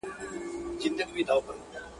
زما پر ښکلي اشنا وایه سلامونه.